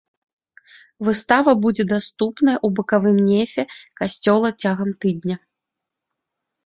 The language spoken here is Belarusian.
Выстава будзе даступная ў бакавым нефе касцёла цягам тыдня.